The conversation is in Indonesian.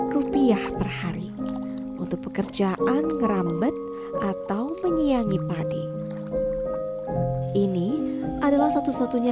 tiga puluh rupiah per hari untuk pekerjaan ngerambet atau menyiyangi padi ini adalah satu satunya